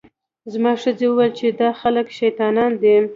زما ښځې وویل چې دا خلک شیطانان دي.